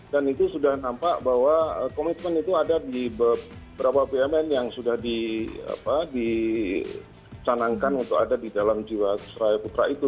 itu sudah nampak bahwa komitmen itu ada di beberapa bumn yang sudah dicanangkan untuk ada di dalam jiwasraya putra itu